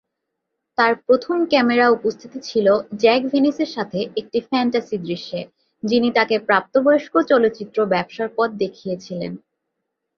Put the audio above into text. তার প্রথম ক্যামেরা উপস্থিতি ছিল জ্যাক ভেনিসের সাথে একটি ফ্যান্টাসি দৃশ্যে, যিনি তাকে প্রাপ্তবয়স্ক চলচ্চিত্র ব্যবসার পথ দেখিয়েছিলেন।